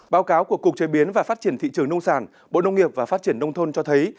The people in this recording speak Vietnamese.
báo cáo của cục chế biến và phát triển thị trường nông sản bộ nông nghiệp và phát triển nông thôn cho thấy